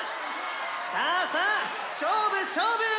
さぁさぁ勝負勝負！」。